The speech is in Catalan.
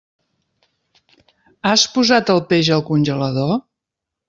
Has posat el peix al congelador?